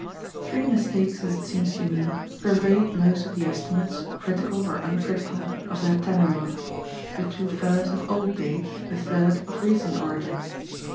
Three mistakes, as it seems to me, pervade most of the estimates, critical or uncritical, of the Heptameron, the two first of old date, the third of recent origin.